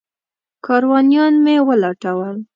کاروانیان مې ولټول.